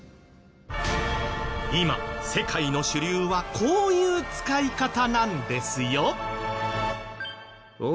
今世界の主流はこういう使い方なんですよ。